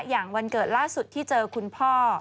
วันเกิดล่าสุดที่เจอคุณพ่อ